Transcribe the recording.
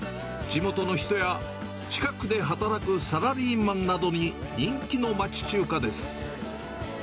地元の人や近くで働くサラリーマンなどに人気の町中華です。